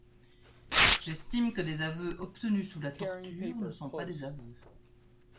J’estime que des aveux obtenus sous la torture ne sont pas des aveux.